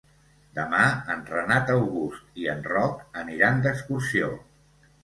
Demà en Renat August i en Roc aniran d'excursió.